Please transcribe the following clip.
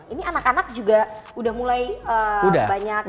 ini anak anak juga udah mulai banyak yang baca buku